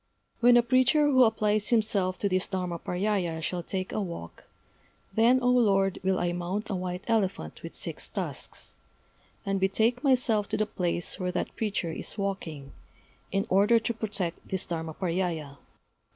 'When a preacher who applies himself to this Dharmaparyâya shall take a walk, then, O Lord, will I mount a white elephant with six tusks, and betake myself to the place where that preacher is walking, in order to protect this Dharmaparyâya.